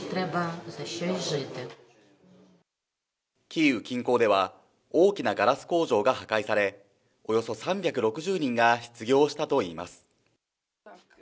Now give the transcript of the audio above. キーウ近郊では、大きなガラス工場が破壊され、およそ３６０人が失業したといいます。